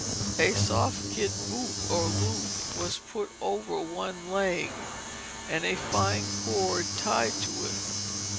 A soft kid boot or loop was put over one leg and a fine cord tied to it.